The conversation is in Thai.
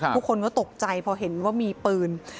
ทุกคนก็ตกใจพอเห็นว่ามีปืน